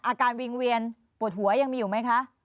วิงเวียนปวดหัวยังมีอยู่ไหมคะ